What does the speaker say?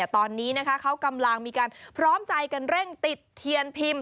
ตอนนี้เขากำลังมีการพร้อมใจกันเร่งติดเทียนพิมพ์